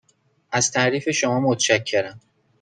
از تعریف شما متشکرم.